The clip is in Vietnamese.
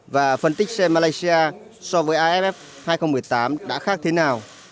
và phân tích xem malaysia so với aff hai nghìn một mươi tám đã khác thế nào